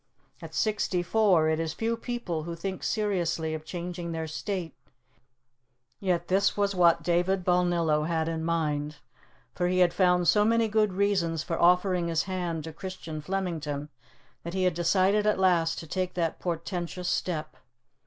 At sixty four it is few people who think seriously of changing their state, yet this was what David Balnillo had in mind; for he had found so many good reasons for offering his hand to Christian Flemington that he had decided at last to take that portentous step.